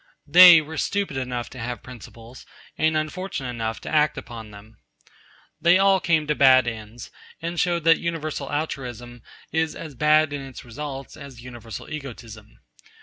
They were stupid enough to have principles, and unfortunate enough to act up to them. They all came to bad ends, and showed that universal altruism is as bad in its results as universal egotism.